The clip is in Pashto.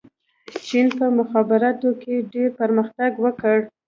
چین په مخابراتو کې ډېر پرمختګ وکړ.